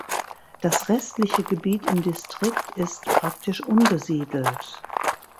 Das restliche Gebiet im Distrikt ist praktisch unbesiedelt.